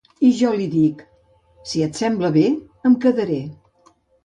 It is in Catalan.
I jo li dic: Si et sembla bé, em quedaré.